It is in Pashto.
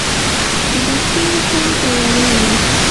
د بصرې حسن به ولي وي،